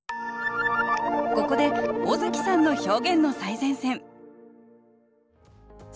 ここで尾崎さんの「表現の最前線」。